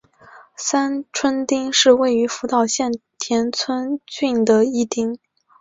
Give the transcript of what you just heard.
三春町是位于福岛县田村郡的一町。